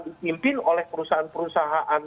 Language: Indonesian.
dipimpin oleh perusahaan perusahaan